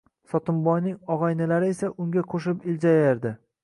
Sotimboyning ogʻaynilari esa unga qoʻshilib iljayardi.